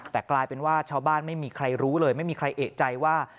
แต่กลายเป็นว่าชาวบ้านไม่มีใครรู้เลยไม่มีใครเอกใจว่า